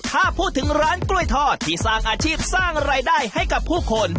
ถ้าพูดถึงร้านกล้วยทอดที่สร้างอาชีพสร้างรายได้ให้กับผู้คน